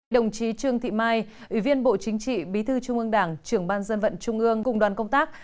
đồng chí trương thị mai ủy viên bộ chính trị bí thư trung ương đảng trưởng ban dân vận trung ương cùng đoàn công tác